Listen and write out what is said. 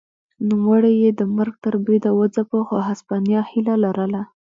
نوموړی یې د مرګ تر بریده وځپه خو هسپانیا هیله لرله.